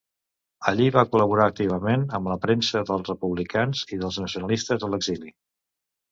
Allí va col·laborar activament amb la premsa dels republicans i dels nacionalistes a l'exili.